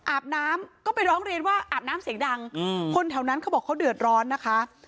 อาบน้ำก็ไปร้องเรียนว่าอาบน้ำเสียงดังคนแถวนั้นเขาบอกเขาเดือดร้อนนะคะ